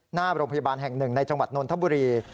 หน้าโรงพยาบาลแห่งหนึ่งในจังหวัดนนทบุรี